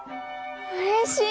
うれしい！